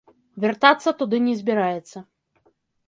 Вяртацца туды не збіраецца.